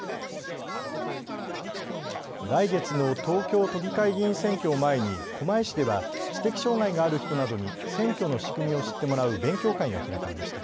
来月の東京都議会議員選挙を前に狛江市では知的障害がある人などに選挙の仕組みを知ってもらう勉強会が開かれました。